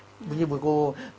ví dụ như cô